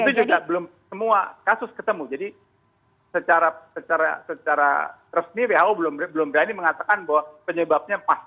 itu juga belum semua kasus ketemu jadi secara resmi who belum berani mengatakan bahwa penyebabnya pas